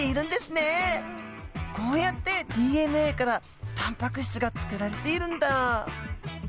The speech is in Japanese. こうやってＤＮＡからタンパク質が作られているんだ。